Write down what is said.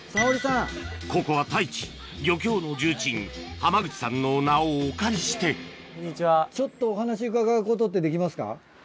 ここは太一漁協の重鎮濱口さんの名をお借りしてちょっとお話伺うことってできますか？